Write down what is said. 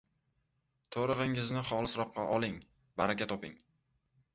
— To‘rig‘ingizni xolisroqqa oling, baraka toping.